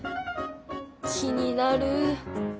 気になる。